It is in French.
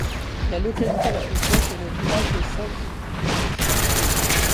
La localité la plus proche est le village de Savvouchka.